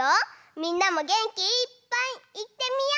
みんなもげんきいっぱいいってみよう！